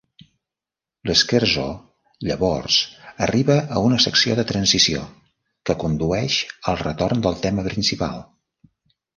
L'scherzo llavors arriba a una secció de transició que condueix al retorn del tema principal.